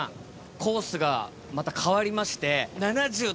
コースがまた変わりまして。